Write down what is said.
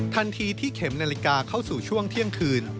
ทันทีที่เข็มนาฬิกาเข้าสู่ช่วงเที่ยงคืน